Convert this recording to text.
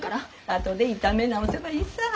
後で炒め直せばいいさぁ。